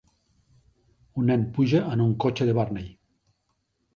Un nen puja en un cotxe de Barney.